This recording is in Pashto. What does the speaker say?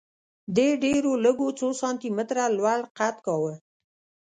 دې ډېرو لږو څو سانتي متره لوړ قد کاوه